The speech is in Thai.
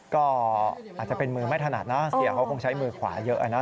ก็อาจจะเป็นมือไม่ถนัดนะเสียเขาคงใช้มือขวาเยอะนะ